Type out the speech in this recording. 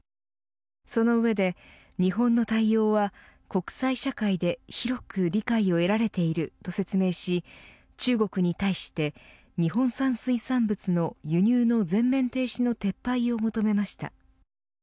その上で、日本の対応は国際社会で広く理解を得られていると説明し中国に対して日本産水産物の輸入の全面停止の撤廃を求めました。